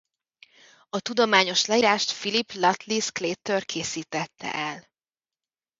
A tudományos leírást Philip Lutley Sclater készítette el.